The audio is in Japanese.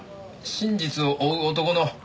真実を追う男の。